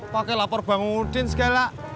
pakai lapor bang udin segala